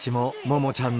ももちゃーん。